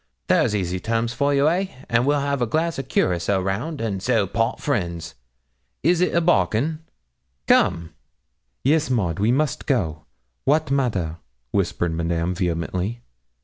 There's easy terms for you, eh, and we'll have a glass o' curaçoa round, and so part friends. Is it a bargain? Come!' 'Yes, Maud, we must go wat matter?' whispered Madame vehemently.